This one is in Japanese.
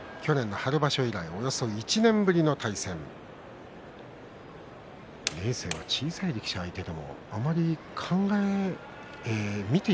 去年の春場所以来およそ１年ぶりの対戦明生は小さい力士ともそうですね。